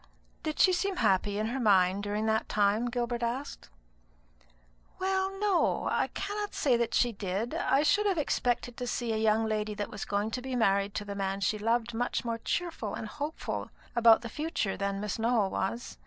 "Did she seem happy in her mind during that time?" Gilbert asked. "Well, no; I cannot say that she did. I should have expected to see a young lady that was going to be married to the man she loved much more cheerful and hopeful about the future than Miss Nowell was.